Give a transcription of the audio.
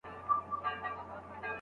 نه په کتاب کي وه چا لوستلي